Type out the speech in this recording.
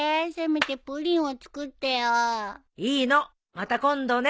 また今度ね。